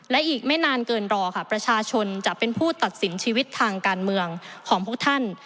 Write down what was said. และอีกไม่นานเกินรอค่ะประชาชนจะเป็นผู้ตัดสินชีวิตทางการเมืองของพวกท่าน